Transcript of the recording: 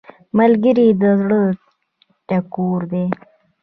ملګری د زړه ټکور دی